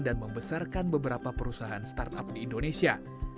dan membesarkan beberapa perusahaan startup di indonesia